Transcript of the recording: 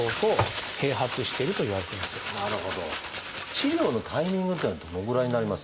治療のタイミングっていうのはどのぐらいになりますでしょう？